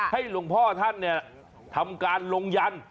ให้หลวงพ่อท่านเนี่ยทำการลงยัน